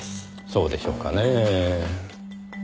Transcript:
そうでしょうかねぇ。